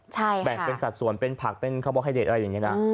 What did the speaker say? ใช่ค่ะแบ่งเป็นสัตว์ส่วนเป็นผักเป็นอะไรอย่างเงี้ยน่ะ